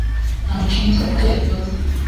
Ntabwo nshinzwe kubyo yakoze.